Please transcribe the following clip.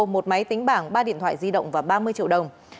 một máy tính bảng ba điện thoại di động và ba mươi triệu đồng